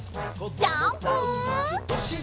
ジャンプ！